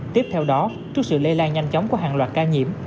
tiếp theo đó trước sự lây lan nhanh chóng của hàng loạt ca nhiễm